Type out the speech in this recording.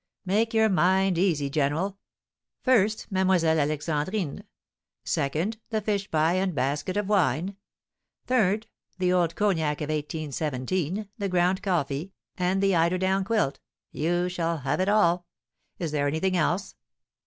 "Make your mind easy, general. First, Mlle. Alexandrine; second, the fish pie and basket of wine; third, the old cognac of 1817, the ground coffee, and the eider down quilt; you shall have it all. Is there anything else?"